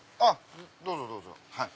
どうぞどうぞ。